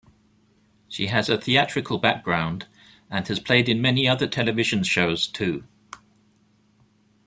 She has a theatrical background and has played in many other television shows, too.